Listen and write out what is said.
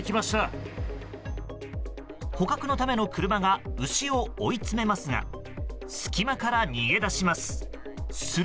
捕獲のための車が牛を追い詰めますが隙間から逃げ出します。